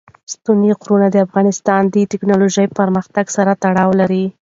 ستوني غرونه د افغانستان د تکنالوژۍ پرمختګ سره تړاو لري.